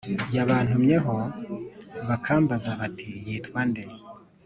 Yabantumyeho bakambaza bati yitwa nde